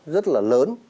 rất là lớn